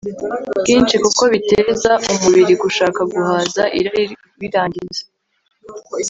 bwinshi kuko biteza umubiri gushaka guhaza irari riwangiza